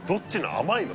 甘いの？